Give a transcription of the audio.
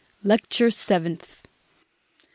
LECTURE SEVENTH.